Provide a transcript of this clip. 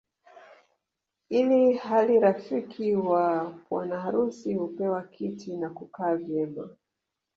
Ili hali rafiki wa bwana harusi hupewa kiti na hukaa vyema